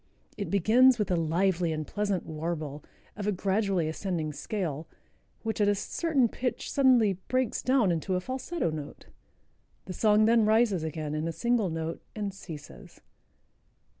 It begins with a lively and pleasant warble, of a gradually ascending scale, which at a certain pitch suddenly breaks down into a falsetto note. The song then rises again in a single note and ceases."